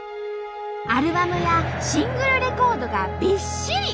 アルバムやシングルレコードがびっしり！